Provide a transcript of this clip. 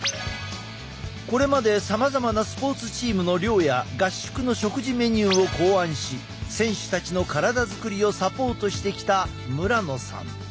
これまでさまざまなスポーツチームの寮や合宿の食事メニューを考案し選手たちの体作りをサポートしてきた村野さん。